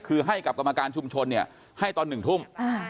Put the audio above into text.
คือให้กับกรรมการชุมชนให้ตอน๑ทุ่ม